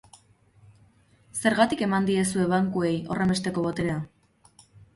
Zergatik eman diezue bankuei horrenbesteko boterea?